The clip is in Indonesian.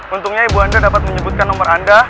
untungnya ibu anda dapat menyebutkan nomor anda